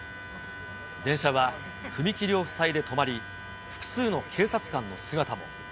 電車は踏切を塞いで止まり、複数の警察官の姿も。